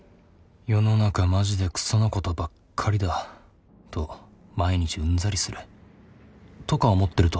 世の中マジでくそなことばっかりだと毎日うんざりする。とか思ってると。